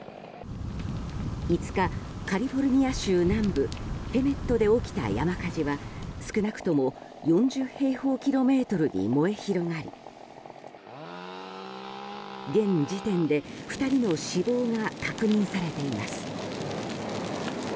５日、カリフォルニア州南部ヘメットで起きた山火事は少なくとも４０平方キロメートルに燃え広がり現時点で２人の死亡が確認されています。